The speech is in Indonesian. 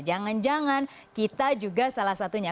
jangan jangan kita juga salah satunya